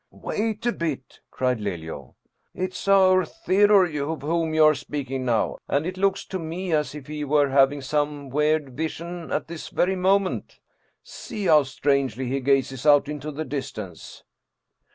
" Wait a bit," cried Lelio. " It is our Theodore of whom you are speaking now. And it looks to me as if he were having some weird vision at this very moment. See how strangely he gazes out into the distance."